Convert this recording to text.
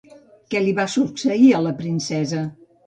Què li va succeir a la princesa?